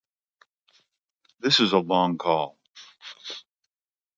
This is a long call.